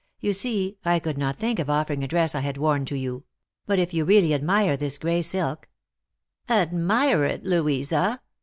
You see, I could not think of offering a dress I had worn to you; but if you really admire this gray silk "" Admire it, Louisa!"